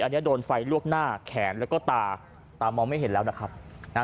อันนี้โดนไฟลวกหน้าแขนแล้วก็ตาตามองไม่เห็นแล้วนะครับนะฮะ